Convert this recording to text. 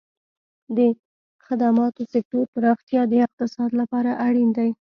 د خدماتو سکتور پراختیا د اقتصاد لپاره اړین دی.